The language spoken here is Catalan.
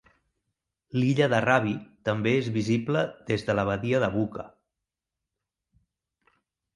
L'illa de Rabi també és visible des de la badia de Buca.